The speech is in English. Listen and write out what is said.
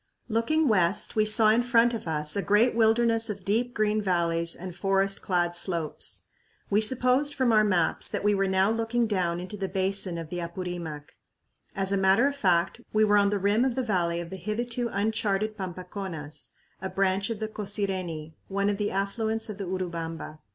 Looking west, we saw in front of us a great wilderness of deep green valleys and forest clad slopes. We supposed from our maps that we were now looking down into the basin of the Apurimac. As a matter of fact, we were on the rim of the valley of the hitherto uncharted Pampaconas, a branch of the Cosireni, one of the affluents of the Urubamba.